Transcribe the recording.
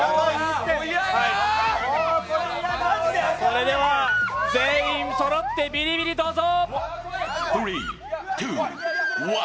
それでは全員そろってビリビリどうぞ。